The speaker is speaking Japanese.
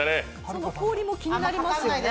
その氷も気になりますよね。